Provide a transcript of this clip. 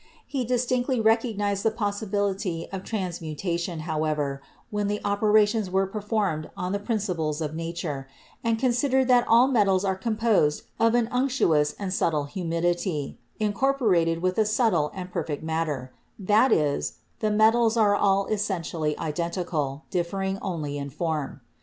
He distinctly recognised the possibility of transmutation, however, when the operations were performed on the principles of nature; and consid ered that all metals are composed of an unctuous and subtle humidity, incorporated with a subtle and perfect matter — that is, the metals are all essentially identical differing only in form.